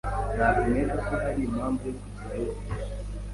Ntabwo nkeka ko hari impamvu yo kujyayo ubu.